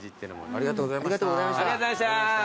ありがとうございます。